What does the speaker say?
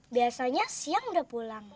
biasanya siang udah pulang